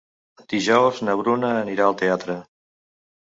Dijous na Bruna anirà al teatre.